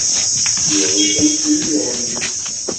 Yuɣ-itent mi yeɣli.